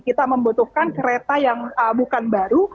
kita membutuhkan kereta yang bukan baru